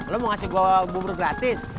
lo mau ngasih bubur gratis